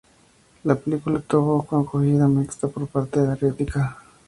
La película tuvo una acogida mixta por parte de la crítica.